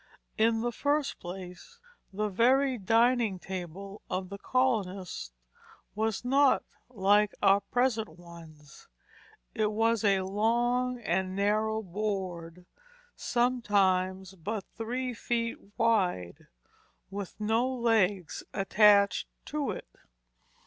In the first place, the very dining table of the colonists was not like our present ones; it was a long and narrow board, sometimes but three feet wide, with no legs attached to it.